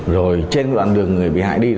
rồi trên đoạn đường người bị hại đi